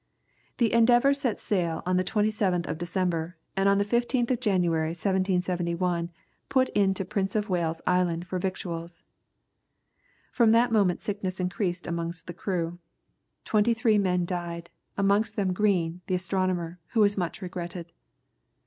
The Endeavour set sail on the 27th of December, and on the 15th of January, 1771, put into Prince of Wales Island for victuals. From that moment, sickness increased among the crew. Twenty three men died, amongst them Green, the astronomer, who was much regretted.